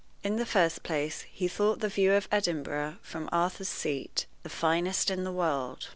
In the first place, he thought the view of Edinburgh from Arthur's Seat the finest in the world.